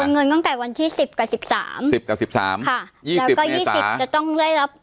เงินตั้งแต่วันที่สิบกับสิบสามสิบกับสิบสามค่ะยี่แล้วก็ยี่สิบจะต้องได้รับ